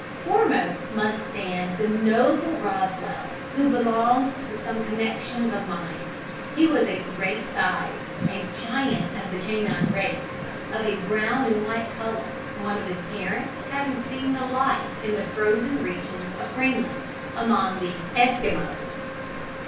Foremost must stand the noble Rosswell, who belonged to some connections of mine. He was of great size a giant of the canine race of a brown and white colour, one of his parents having seen the light in the frozen regions of Greenland, among the Esquimaux.